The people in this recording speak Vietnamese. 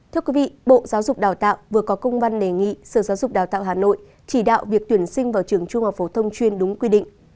thưa quý vị bộ giáo dục đào tạo vừa có công văn đề nghị sở giáo dục đào tạo hà nội chỉ đạo việc tuyển sinh vào trường trung học phổ thông chuyên đúng quy định